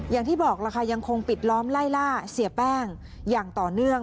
อย่างที่บอกล่ะค่ะยังคงปิดล้อมไล่ล่าเสียแป้งอย่างต่อเนื่อง